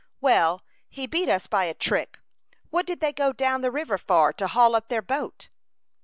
"Well, he beat us by a trick. What did they go down the river for to haul up their boat?"